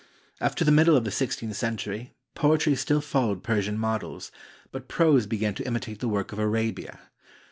After the middle of the sixteenth century, poetry still followed Persian models, but prose be gan to imitate the work of Arabia.